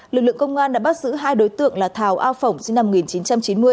lực lượng công an đã bắt giữ hai đối tượng là thảo a phồng sinh năm một nghìn chín trăm chín mươi